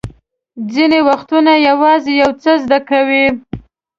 ځینې وختونه یوازې یو څه زده کوئ.